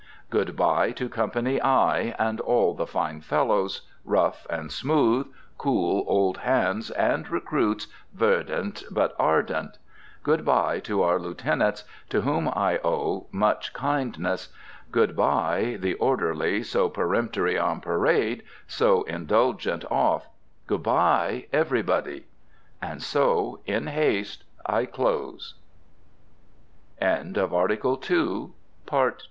Good bye to Company I, and all the fine fellows, rough and smooth, cool old hands and recruits verdant but ardent! Good bye to our Lieutenants, to whom I owe much kindness! Good bye, the Orderly, so peremptory on parade, so indulgent off! Good bye, everybody! And so in haste I close. BETWEEN SPRING AND SUMMER. (A BIRTHDAY POEM, WITH ROSES.)